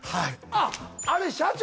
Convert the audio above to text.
あっあれ社長！